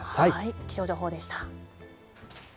気象情報でした。